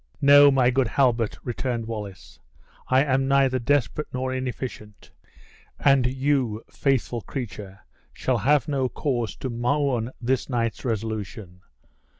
"No, my good Halbert," returned Wallace. "I am neither desperate nor inefficient; and you, faithful creature, shall have no cause to mourn this night's resolution.